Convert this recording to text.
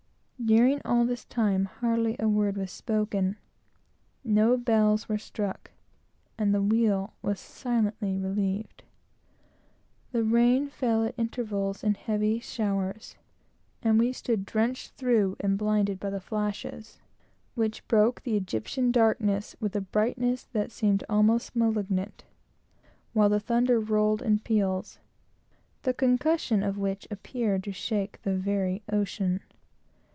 During all this time, hardly a word was spoken; no bells were struck, and the wheel was silently relieved. The rain fell at intervals in heavy showers, and we stood drenched through and blinded by the flashes, which broke the Egyptian darkness with a brightness which seemed almost malignant; while the thunder rolled in peals, the concussion of which appeared to shake the very ocean.